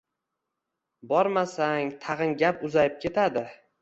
Bormasang, tag`in gap uzayib ketadi